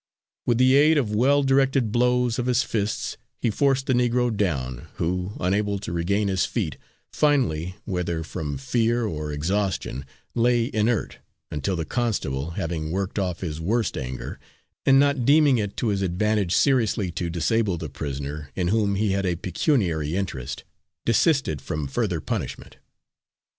With the aid of well directed blows of his fists he forced the Negro down, who, unable to regain his feet, finally, whether from fear or exhaustion, lay inert, until the constable, having worked off his worst anger, and not deeming it to his advantage seriously to disable the prisoner, in whom he had a pecuniary interest, desisted from further punishment.